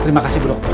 terima kasih bu dokter